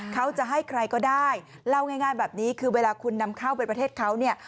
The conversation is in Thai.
เขาจะให้ใครก็ได้เล่าง่ายแบบนี้คือเวลาคุณนำเข้าไปประเทศเขาเนี่ย